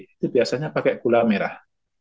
itu biasanya pakai gula merah